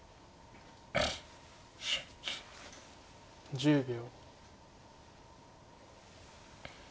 １０秒。